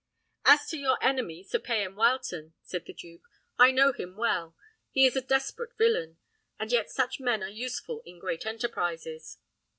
"As to your enemy, Sir Payan Wileton," said the duke, "I know him well: he is a desperate villain; and yet such men are useful in great enterprises.